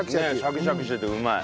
シャキシャキしててうまい。